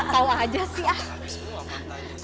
kau aja sih